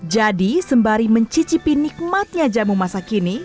jadi sembari mencicipi nikmatnya jamu masa kini